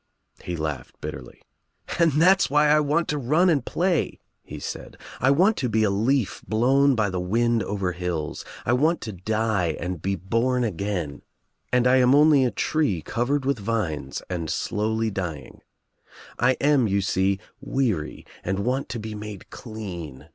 I He laughed bitterly. "And that's why I want to I run and play," he said. "I want to be a leaf blown by the wind over hills. 1 want to die and be born again, and I am only a tree covered with vines and ( I 24 THE TRIUMPH OF THE EGG slowly dying. I am, you sec, weary and want to be made clean.